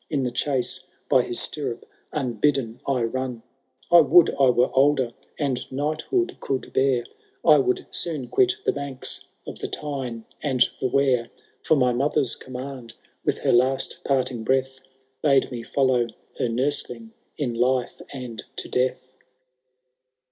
In the chase, by his stirrup, unbidden I run ; I would I were older, and knighthood could bear, I would soon quit the banks of the Tyne and tJie Wear : For my mother^s command, with her last parting breath, Bade me follow her nursling in life and to death.